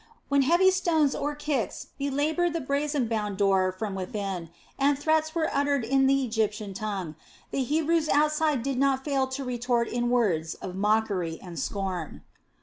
When heavy stones or kicks belabored the brazen bound door from within, and threats were uttered in the Egyptian tongue, the Hebrews outside did not fail to retort in words of mockery and scorn.